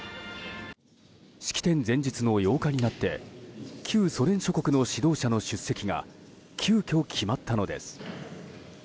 式典前日の８日になって旧ソ連諸国の指導者の出席が急きょ、決まったのです。